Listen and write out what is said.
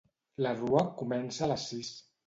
La rua comença a les sis.